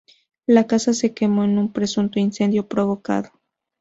La casa se quemó en un presunto incendio provocado.